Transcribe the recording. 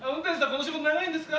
この仕事長いんですか？